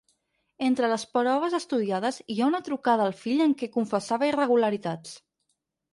Entre les proves estudiades hi ha una trucada al fill en què confessava irregularitats.